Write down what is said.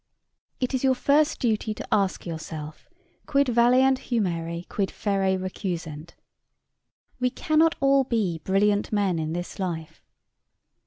It is your first duty to ask yourself, quid valeant humeri, quid ferre recusent? we cannot all be brilliant men in this life.